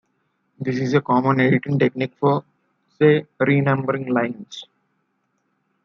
This is a common editing technique for, say, renumbering lines.